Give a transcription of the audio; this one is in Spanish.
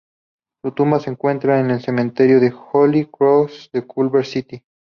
Su tumba se encuentra en el Cementerio de Holy Cross de Culver City.